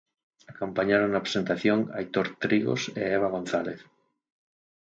Acompáñano na presentación Aitor Trigos e Eva González.